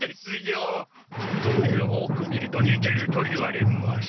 よく見るとにてると言われます。